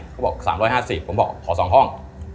เขาบอก๓๕๐ผมบอกขอ๒ห้อง